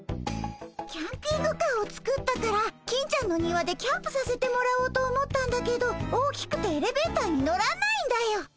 キャンピングカーを作ったから金ちゃんの庭でキャンプさせてもらおうと思ったんだけど大きくてエレベーターに乗らないんだよ。